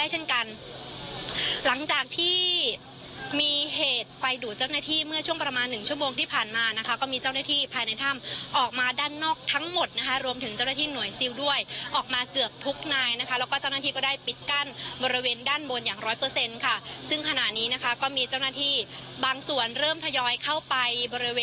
เช่นกันหลังจากที่มีเหตุไฟดูดเจ้าหน้าที่เมื่อช่วงประมาณหนึ่งชั่วโมงที่ผ่านมานะคะก็มีเจ้าหน้าที่ภายในถ้ำออกมาด้านนอกทั้งหมดนะคะรวมถึงเจ้าหน้าที่หน่วยซิลด้วยออกมาเกือบทุกนายนะคะแล้วก็เจ้าหน้าที่ก็ได้ปิดกั้นบริเวณด้านบนอย่างร้อยเปอร์เซ็นต์ค่ะซึ่งขณะนี้นะคะก็มีเจ้าหน้าที่บางส่วนเริ่มทยอยเข้าไปบริเวณ